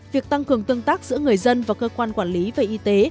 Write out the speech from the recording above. việc tăng cường tương tác giữa người dân và cơ quan quản lý về y tế